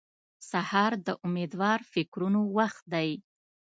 سهار د امېدوار فکرونو وخت دی.